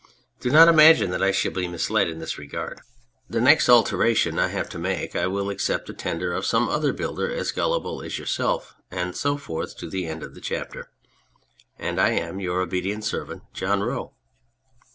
Do not imagine that I shall be misled in this regard. The next alteration I have 201 On Anything to make I will accept the tender of some other builder as gullible as yourself, and so forth to the end of the chapter. And I am, Your obedient servant, JOHN ROE.